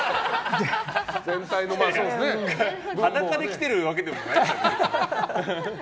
裸で来てるわけではないけど。